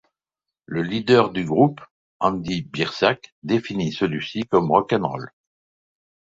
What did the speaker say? Le leader du groupe, Andy Biersack, définit celui-ci comme rock 'n' roll.